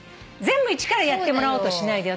全部一からやってもらおうとしないで。